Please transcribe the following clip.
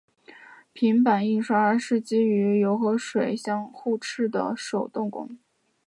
平版印刷是基于油和水互斥的原理的手动工艺。